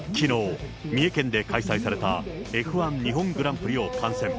きのう、三重県で開催されたＦ１日本グランプリを観戦。